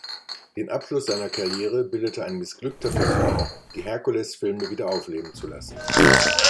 Den Abschluss seiner Karriere bildete ein missglückter Versuch, die Herkules-Filme wieder aufleben zu lassen.